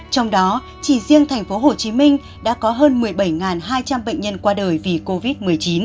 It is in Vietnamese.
trong đó chỉ riêng thành phố hồ chí minh đã có hơn một mươi bảy hai trăm linh bệnh nhân qua đời vì covid một mươi chín